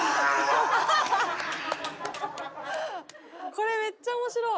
これめっちゃ面白い！